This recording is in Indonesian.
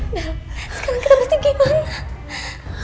bella sekarang kita mesti gimana